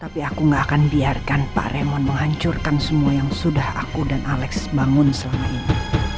tapi aku gak akan biarkan pak remon menghancurkan semua yang sudah aku dan alex bangun selama ini